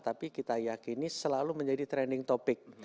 tapi kita yakini selalu menjadi trending topic